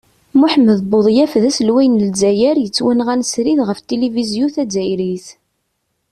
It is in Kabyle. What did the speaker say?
Muḥemmed Buḍyaf d aselway n lezzayer yettwanɣan srid ɣef tilivizyu tazzayrit.